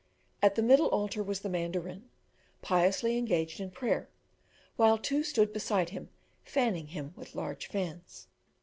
At the middle altar was the mandarin, piously engaged in prayer, while two stood beside him, fanning him with large fans.